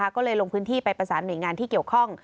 ก็เลยลงพื้นที่ไปประสานหน่วยงานที่เกี่ยวข้อง